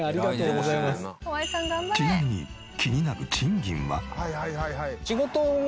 ちなみに気になる賃金は。